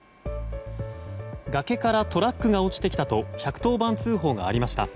崖からトラックが落ちてきたと１１０番通報がありました。